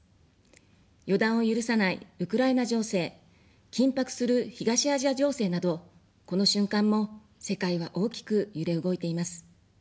予断を許さないウクライナ情勢、緊迫する東アジア情勢など、この瞬間も世界は大きく揺れ動いています。